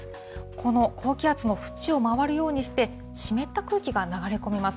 この高気圧の縁を回るようにして、湿った空気が流れ込みます。